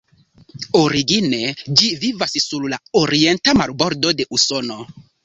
Origine ĝi vivas sur la orienta marbordo de Usono.